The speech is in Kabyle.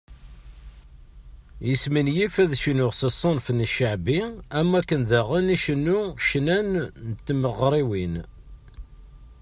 Yesmenyif ad yecnu s ṣṣenf n cceɛbi, am wakken daɣen icennu ccna n tmeɣriwin.